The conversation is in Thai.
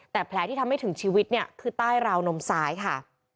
แต่แผลที่ทำให้ถึงชีวิตเนี่ยคือใต้ราวนมซ้ายค่ะ